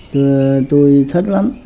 tôi thích lắm